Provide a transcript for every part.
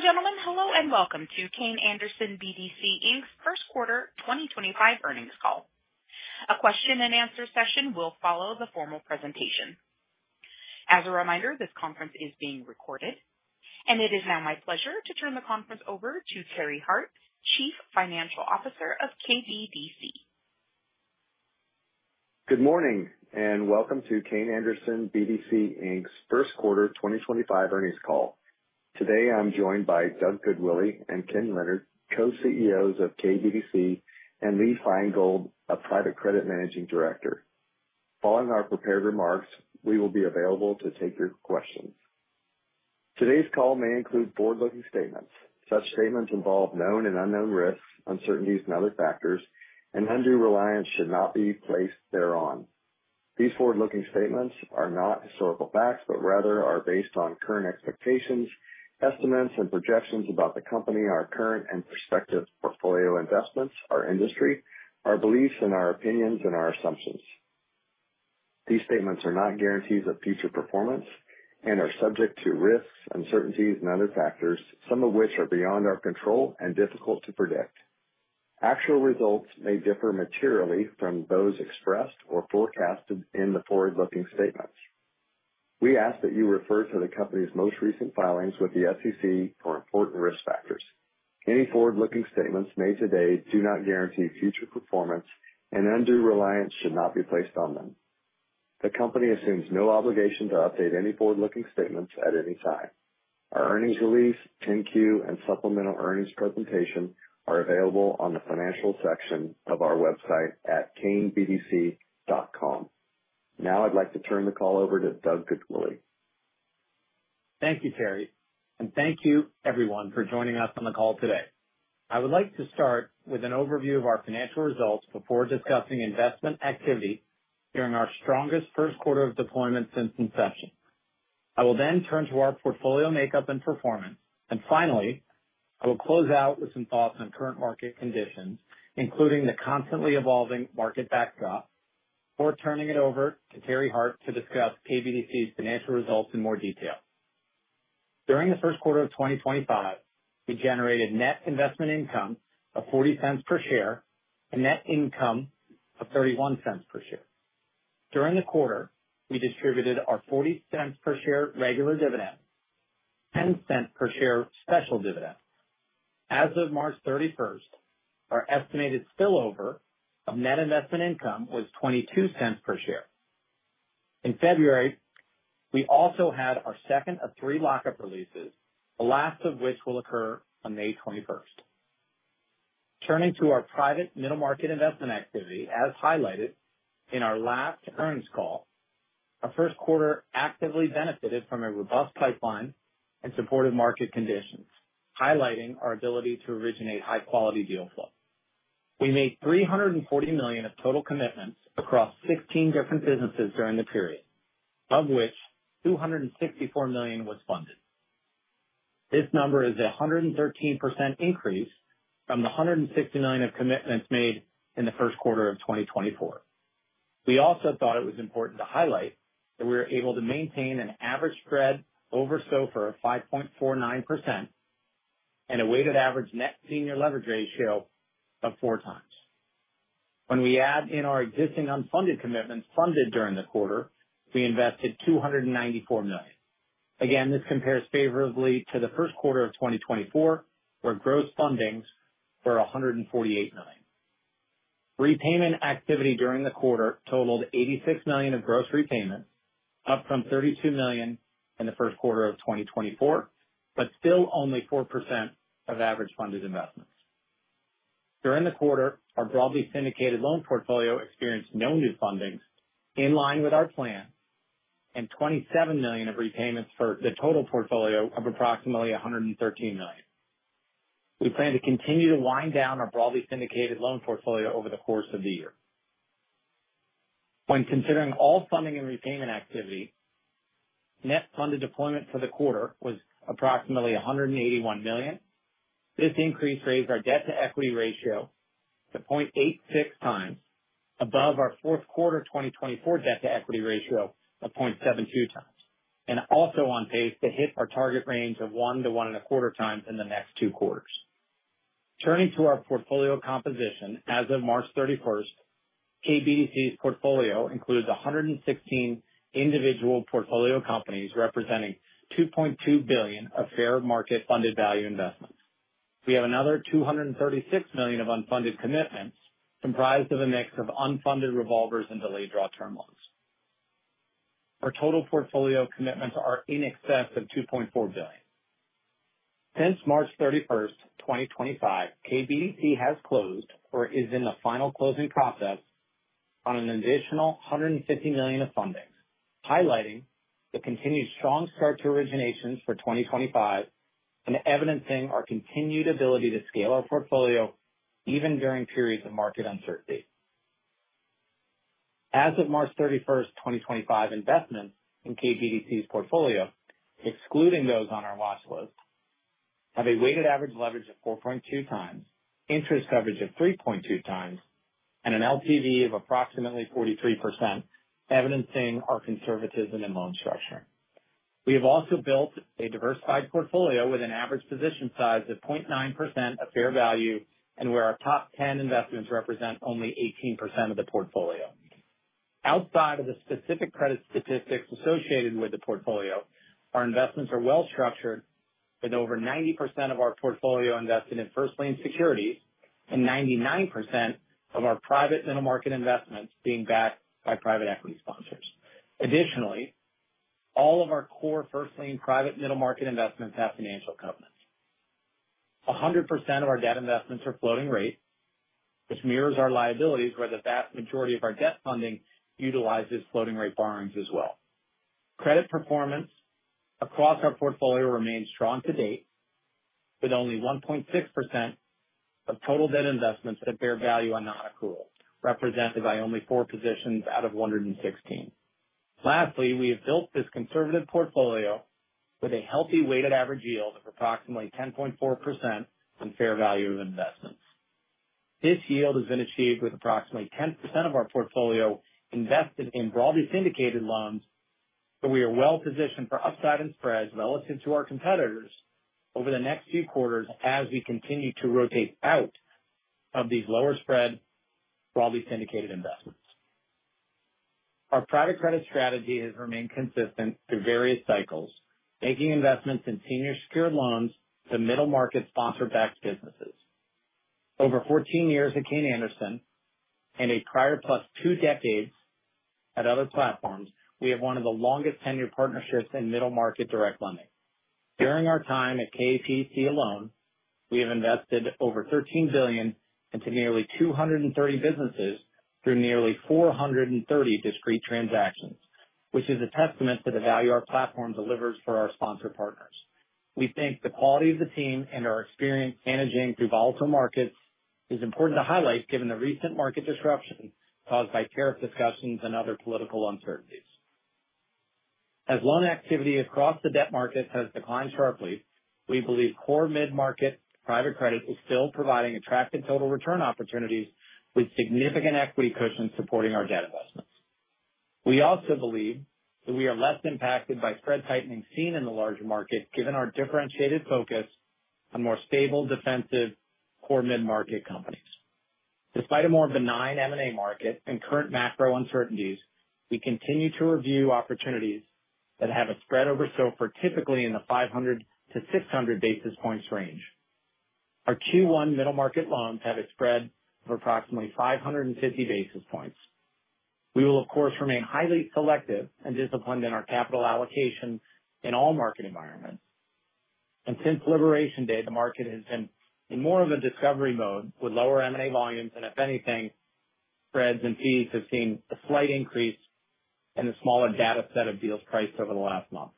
Ladies and gentlemen, hello and welcome to Kayne Anderson BDC, Inc.'s Q1 2025 Earnings Call. A question and answer session will follow the formal presentation. As a reminder, this conference is being recorded. It is now my pleasure to turn the conference over to Terry Hart, Chief Financial Officer of KBDC. Good morning, and welcome to Kayne Anderson BDC, Inc.'s Q1 2025 Earnings Call. Today I'm joined by Doug Goodwillie and Ken Leonard, Co-CEOs of KBDC, and Leigh Feingold, a Private Credit Managing Director. Following our prepared remarks, we will be available to take your questions. Today's call may include forward-looking statements. Such statements involve known and unknown risks, uncertainties and other factors, and undue reliance should not be placed thereon. These forward-looking statements are not historical facts, but rather are based on current expectations, estimates, and projections about the company, our current and prospective portfolio investments, our industry, our beliefs, and our opinions, and our assumptions. These statements are not guarantees of future performance and are subject to risks, uncertainties, and other factors, some of which are beyond our control and difficult to predict. Actual results may differ materially from those expressed or forecasted in the forward-looking statements. We ask that you refer to the company's most recent filings with the SEC for important risk factors. Any forward-looking statements made today do not guarantee future performance and undue reliance should not be placed on them. The company assumes no obligation to update any forward-looking statements at any time. Our earnings release, 10-Q, and supplemental earnings presentation are available on the financial section of our website at kaynebdc.com. Now I'd like to turn the call over to Doug Goodwillie. Thank you, Terry. Thank you everyone for joining us on the call today. I would like to start with an overview of our financial results before discussing investment activity during our strongest Q1 of deployment since inception. I will then turn to our portfolio makeup and performance. Finally, I will close out with some thoughts on current market conditions, including the constantly evolving market backdrop, before turning it over to Terry Hart to discuss KBDC's financial results in more detail. During the Q1 of 2025, we generated net investment income of $0.40 per share and net income of $0.31 per share. During the quarter, we distributed our $0.40 per share regular dividend, $0.10 per share special dividend. As of March 31st, our estimated spillover of net investment income was $0.22 per share. In February, we also had our second of three lock-up releases, the last of which will occur on May 21st. Turning to our private middle market investment activity, as highlighted in our last earnings call, our Q1 actively benefited from a robust pipeline and supportive market conditions, highlighting our ability to originate high-quality deal flow. We made $340 million of total commitments across 16 different businesses during the period, of which $264 million was funded. This number is a 113% increase from the $169 million of commitments made in the Q1 of 2024. We also thought it was important to highlight that we were able to maintain an average spread over SOFR of 5.49% and a weighted average net senior leverage ratio of 4x. When we add in our existing unfunded commitments funded during the quarter, we invested $294 million. This compares favorably to the Q1 of 2024, where gross fundings were $148 million. Repayment activity during the quarter totaled $86 million of gross repayments, up from $32 million in the Q1 of 2024, but still only 4% of average funded investments. During the quarter, our broadly syndicated loan portfolio experienced no new fundings, in line with our plan, and $27 million of repayments for the total portfolio of approximately $113 million. We plan to continue to wind down our broadly syndicated loan portfolio over the course of the year. When considering all funding and repayment activity, net funded deployment for the quarter was approximately $181 million. This increase raised our debt-to-equity ratio to 0.86x above our Q4 2024 debt-to-equity ratio of 0.72x, and also on pace to hit our target range of 1 to 1.25x in the next two quarters. Turning to our portfolio composition. As of March 31st, KBDC's portfolio includes 116 individual portfolio companies representing $2.2 billion of fair market funded value investments. We have another $236 million of unfunded commitments, comprised of a mix of unfunded revolvers and delayed draw term loans. Our total portfolio commitments are in excess of $2.4 billion. Since March 31, 2025, KBDC has closed or is in the final closing process on an additional $150 million of fundings, highlighting the continued strong start to originations for 2025 and evidencing our continued ability to scale our portfolio even during periods of market uncertainty. As of March 31, 2025, investments in KBDC's portfolio, excluding those on our watch list, have a weighted average leverage of 4.2x, interest coverage of 3.2x, and an LTV of approximately 43%, evidencing our conservatism in loan structure. We have also built a diversified portfolio with an average position size of 0.9% of fair value, and where our top ten investments represent only 18% of the portfolio. Outside of the specific credit statistics associated with the portfolio, our investments are well-structured with over 90% of our portfolio invested in first lien securities and 99% of our private middle market investments being backed by private equity sponsors. All of our core first lien private middle market investments have financial covenants. 100% of our debt investments are floating rate, which mirrors our liabilities, where the vast majority of our debt funding utilizes floating rate borrowings as well. Credit performance across our portfolio remains strong to date, with only 1.6% of total debt investments at fair value on non-accrual, represented by only 4 positions out of 116. We have built this conservative portfolio with a healthy weighted average yield of approximately 10.4% on fair value of investments. This yield has been achieved with approximately 10% of our portfolio invested in broadly syndicated loans. We are well positioned for upside in spreads relative to our competitors over the next few quarters as we continue to rotate out of these lower spread, broadly syndicated investments. Our private credit strategy has remained consistent through various cycles, making investments in senior secured loans to middle market sponsor-backed businesses. Over 14 years at Kayne Anderson and a prior +2 decades at other platforms, we have one of the longest tenure partnerships in middle market direct lending. During our time at KAPC alone, we have invested over $13 billion into nearly 230 businesses through nearly 430 discrete transactions, which is a testament to the value our platform delivers for our sponsor partners. We think the quality of the team and our experience managing through volatile markets is important to highlight given the recent market disruption caused by tariff discussions and other political uncertainties. As loan activity across the debt market has declined sharply, we believe core middle-market private credit is still providing attractive total return opportunities with significant equity cushions supporting our debt investments. We also believe that we are less impacted by spread tightening seen in the larger market given our differentiated focus on more stable, defensive core middle-market companies. Despite a more benign M&A market and current macro uncertainties, we continue to review opportunities that have a spread over SOFR, typically in the 500 to 600 basis points range. Our Q1 middle-market loans have a spread of approximately 550 basis points. We will, of course, remain highly selective and disciplined in our capital allocation in all market environments. Since liberation day, the market has been in more of a discovery mode with lower M&A volumes. If anything, spreads and fees have seen a slight increase in the smaller data set of deals priced over the last month.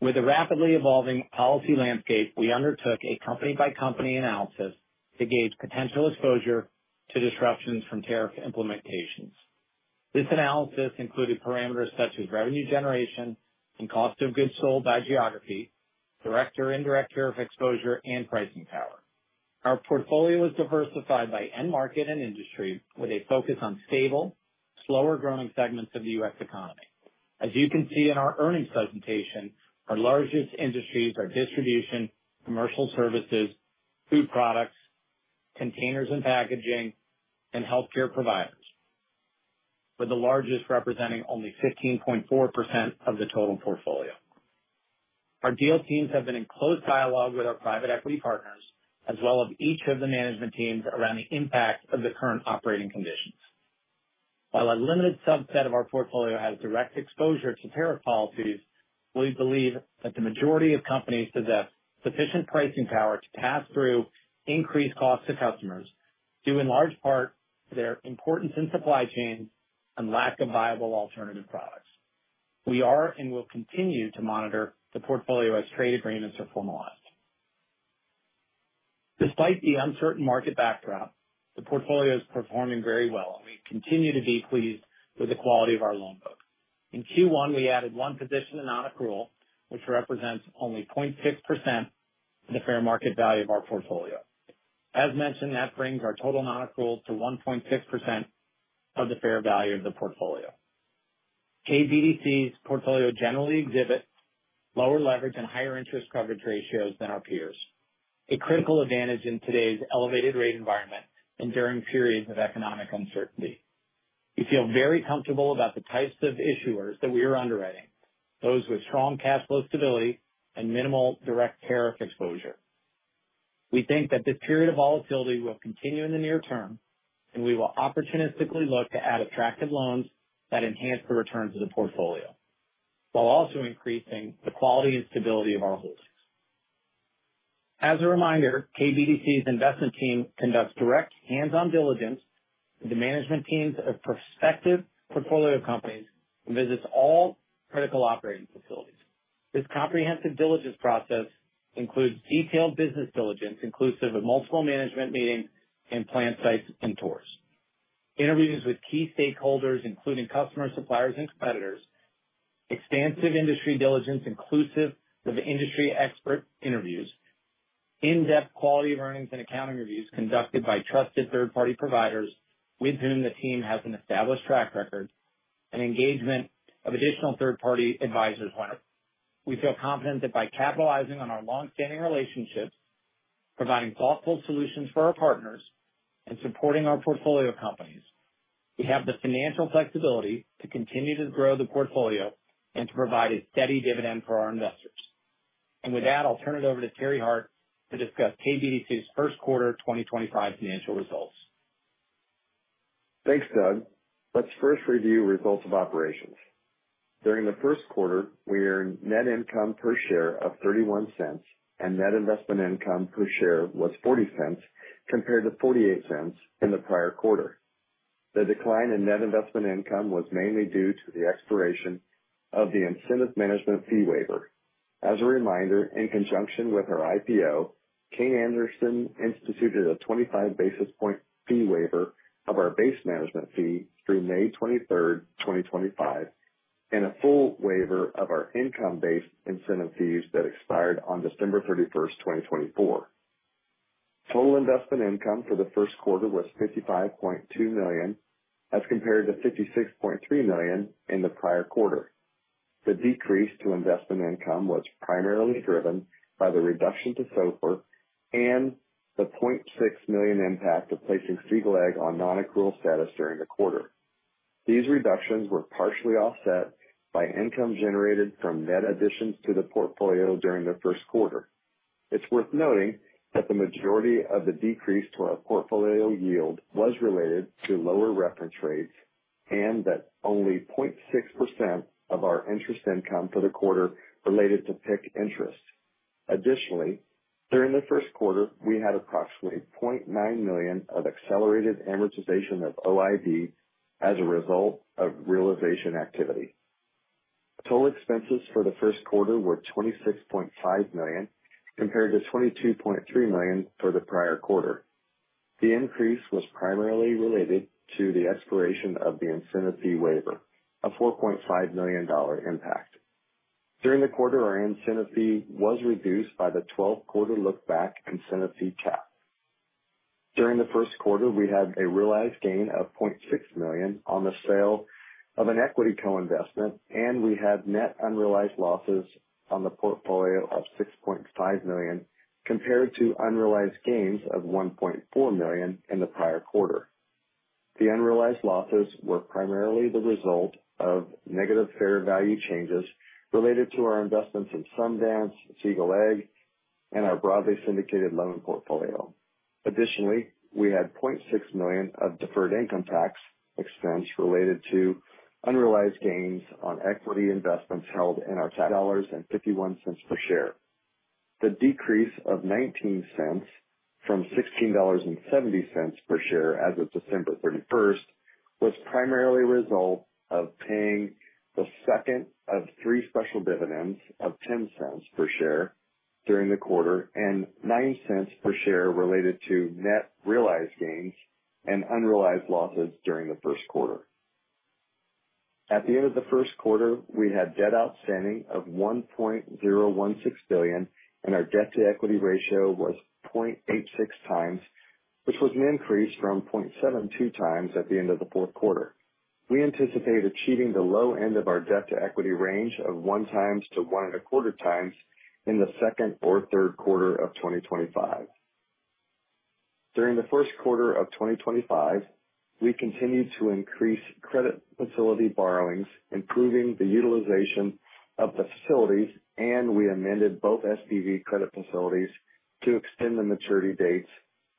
With the rapidly evolving policy landscape, we undertook a company-by-company analysis to gauge potential exposure to disruptions from tariff implementations. This analysis included parameters such as revenue generation and cost of goods sold by geography, direct or indirect tariff exposure, and pricing power. Our portfolio is diversified by end market and industry, with a focus on stable, slower growing segments of the US economy. As you can see in our earnings presentation, our largest industries are distribution, commercial services, food products, containers and packaging, and healthcare providers. With the largest representing only 15.4% of the total portfolio. Our deal teams have been in close dialogue with our private equity partners, as well as each of the management teams around the impact of the current operating conditions. While a limited subset of our portfolio has direct exposure to tariff policies, we believe that the majority of companies possess sufficient pricing power to pass through increased costs to customers, due in large part to their importance in supply chain and lack of viable alternative products. We are and will continue to monitor the portfolio as trade agreements are formalized. Despite the uncertain market backdrop, the portfolio is performing very well, and we continue to be pleased with the quality of our loan book. In Q1, we added one position in non-accrual, which represents only 0.6% of the fair market value of our portfolio. As mentioned, that brings our total non-accrual to 1.6% of the fair value of the portfolio. KBDC's portfolio generally exhibits lower leverage and higher interest coverage ratios than our peers. A critical advantage in today's elevated rate environment and during periods of economic uncertainty. We feel very comfortable about the types of issuers that we are underwriting, those with strong cash flow stability and minimal direct tariff exposure. We think that this period of volatility will continue in the near term, and we will opportunistically look to add attractive loans that enhance the returns of the portfolio, while also increasing the quality and stability of our holdings. As a reminder, KBDC's investment team conducts direct hands-on diligence with the management teams of prospective portfolio companies and visits all critical operating facilities. This comprehensive diligence process includes detailed business diligence, inclusive of multiple management meetings and plant sites and tours. Interviews with key stakeholders, including customers, suppliers, and competitors. Extensive industry diligence inclusive with industry expert interviews. In-depth quality of earnings and accounting reviews conducted by trusted third party providers with whom the team has an established track record and engagement of additional third party advisors when applicable. We feel confident that by capitalizing on our long-standing relationships, providing thoughtful solutions for our partners, and supporting our portfolio companies, we have the financial flexibility to continue to grow the portfolio and to provide a steady dividend for our investors. With that, I'll turn it over to Terry Hart to discuss KBDC's Q1 2025 financial results. Thanks, Doug. Let's first review results of operations. During the Q1, we earned net income per share of $0.31, and net investment income per share was $0.40 compared to $0.48 in the prior quarter. The decline in net investment income was mainly due to the expiration of the incentive management fee waiver. As a reminder, in conjunction with our IPO, Kayne Anderson instituted a 25 basis point fee waiver of our base management fee through May 23, 2025, and a full waiver of our income-based incentive fees that expired on December 31, 2024. Total investment income for the Q1 was $55.2 million as compared to $56.3 million in the prior quarter. The decrease to investment income was primarily driven by the reduction to SOFR and the $0.6 million impact of placing Siegel Egg on non-accrual status during the quarter. These reductions were partially offset by income generated from net additions to the portfolio during the Q1. It's worth noting that the majority of the decrease to our portfolio yield was related to lower reference rates, and that only 0.6% of our interest income for the quarter related to PIK interest. During the Q1, we had approximately $0.9 million of accelerated amortization of OID as a result of realization activity. Total expenses for the Q1 were $26.5 million, compared to $22.3 million for the prior quarter. The increase was primarily related to the expiration of the incentive fee waiver, a $4.5 million impact. During the quarter, our incentive fee was reduced by the 12-quarter look-back incentive fee cap. During the Q1, we had a realized gain of $0.6 million on the sale of an equity co-investment, and we had net unrealized losses on the portfolio of $6.5 million, compared to unrealized gains of $1.4 million in the prior quarter. The unrealized losses were primarily the result of negative fair value changes related to our investments in Sundance, Siegel Egg, and our broadly syndicated loan portfolio. Additionally, we had $0.6 million of deferred income tax expense related to unrealized gains on equity investments held in our $0.51 per share. The decrease of $0.19 from $16.70 per share as of December 31st, was primarily a result of paying the second of three special dividends of $0.10 per share during the quarter and $0.09 per share related to net realized gains and unrealized losses during the Q1. At the end of the Q1, we had debt outstanding of $1.016 billion, and our debt to equity ratio was 0.86x, which was an increase from 0.72x at the end of the fourth quarter. We anticipate achieving the low end of our debt to equity range of 1 to 1.25x in the second or Q3 of 2025. During the Q1 2025, we continued to increase credit facility borrowings, improving the utilization of the facilities, and we amended both SPV credit facilities to extend the maturity dates,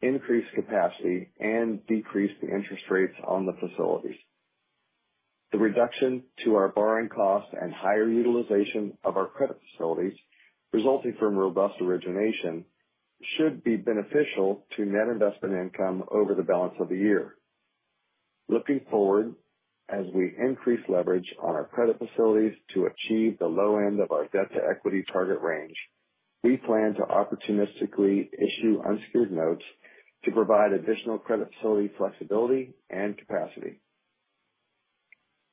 increase capacity, and decrease the interest rates on the facilities. The reduction to our borrowing costs and higher utilization of our credit facilities resulting from robust origination should be beneficial to net investment income over the balance of the year. Looking forward, as we increase leverage on our credit facilities to achieve the low end of our debt to equity target range, we plan to opportunistically issue unsecured notes to provide additional credit facility flexibility and capacity.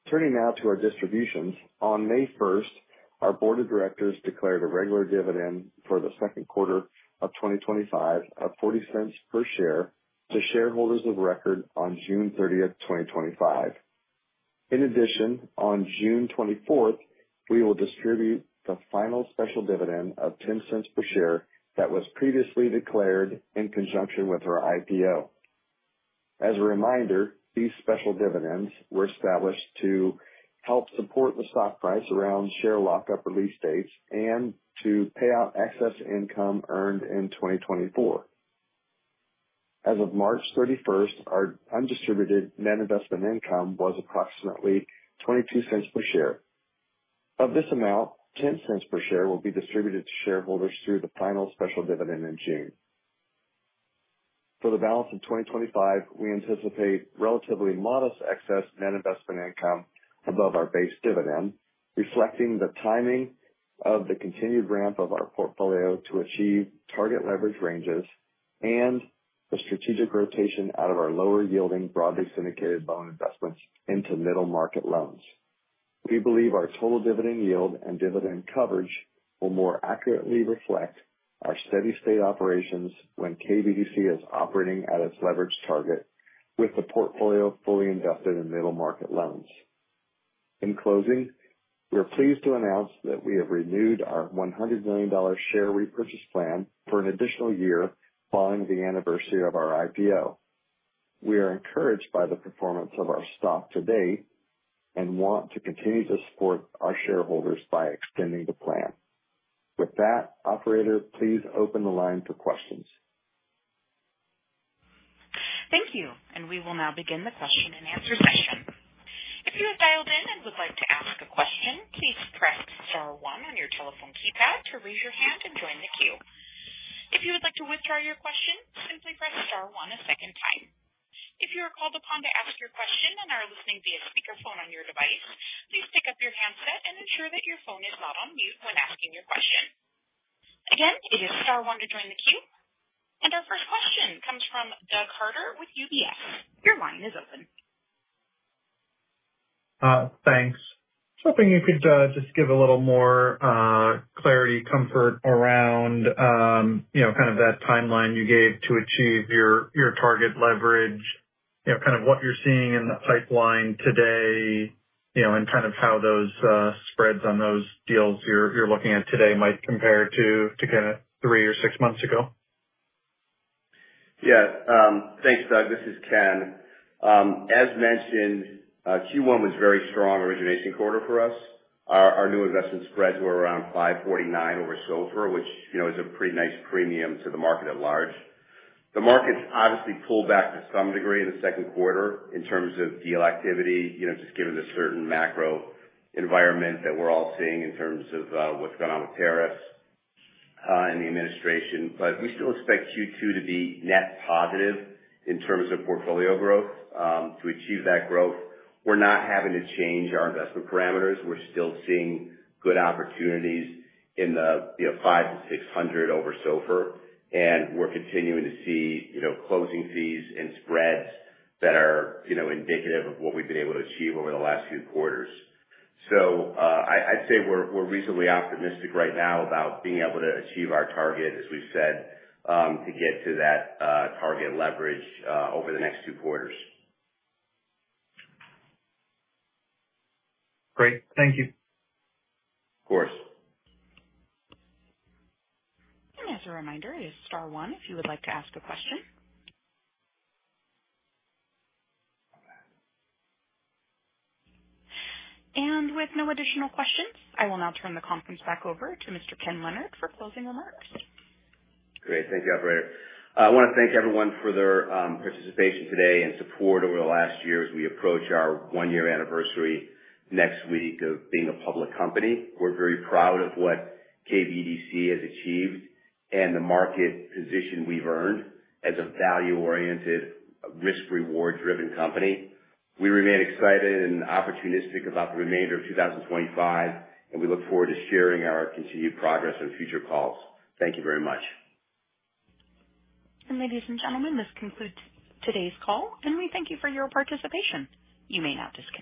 Turning now to our distributions. On May 1st, our board of directors declared a regular dividend for the Q2 2025 of $0.40 per share to shareholders of record on June 30th, 2025. On June 24th, we will distribute the final special dividend of $0.10 per share that was previously declared in conjunction with our IPO. As a reminder, these special dividends were established to help support the stock price around share lock-up release dates and to pay out excess income earned in 2024. As of March 31st, our undistributed net investment income was approximately $0.22 per share. Of this amount, $0.10 per share will be distributed to shareholders through the final special dividend in June. For the balance of 2025, we anticipate relatively modest excess net investment income above our base dividend, reflecting the timing of the continued ramp of our portfolio to achieve target leverage ranges and the strategic rotation out of our lower yielding broadly syndicated loan investments into middle market loans. We believe our total dividend yield and dividend coverage will more accurately reflect our steady state operations when KBDC is operating at its leverage target with the portfolio fully invested in middle market loans. In closing, we are pleased to announce that we have renewed our $100 million share repurchase plan for an additional year following the anniversary of our IPO. We are encouraged by the performance of our stock to date and want to continue to support our shareholders by extending the plan. With that, operator, please open the line for questions. Thank you. We will now begin the question and answer session. If you have dialed in and would like to ask a question, please press star one on your telephone keypad to raise your hand and join the queue. If you would like to withdraw your question, simply press star one a second time. If you are called upon to ask your question and are listening via speakerphone on your device, please pick up your handset and ensure that your phone is not on mute when asking your question. Again, it is star one to join the queue. Our first question comes from Doug Carter with UBS. Your line is open. Thanks. Was hoping you could just give a little more clarity, comfort around, you know, kind of that timeline you gave to achieve your target leverage. You know, kind of what you're seeing in the pipeline today, you know, and kind of how those spreads on those deals you're looking at today might compare to kinda three or six months ago? Yeah. Thanks, Doug. This is Ken. As mentioned, Q1 was very strong origination quarter for us. Our new investment spreads were around 549 over SOFR, which, you know, is a pretty nice premium to the market at large. The market's obviously pulled back to some degree in the Q2 in terms of deal activity, you know, just given the certain macro environment that we're all seeing in terms of what's going on with tariffs and the administration. We still expect Q2 to be net positive in terms of portfolio growth. To achieve that growth, we're not having to change our investment parameters. We're still seeing good opportunities in the, you know, 500 to 600 over SOFR. We're continuing to see, you know, closing fees and spreads that are, you know, indicative of what we've been able to achieve over the last few quarters. I'd say we're reasonably optimistic right now about being able to achieve our target, as we've said, to get to that target leverage over the next two quarters. Great. Thank you. Of course. As a reminder, it is star one if you would like to ask a question. With no additional questions, I will now turn the conference back over to Mr. Ken Leonard for closing remarks. Great. Thank you, operator. I wanna thank everyone for their participation today and support over the last year as we approach our one-year anniversary next week of being a public company. We're very proud of what KBDC has achieved and the market position we've earned as a value-oriented risk reward driven company. We remain excited and opportunistic about the remainder of 2025, and we look forward to sharing our continued progress on future calls. Thank you very much. Ladies and gentlemen, this concludes today's call, and we thank you for your participation. You may now disconnect.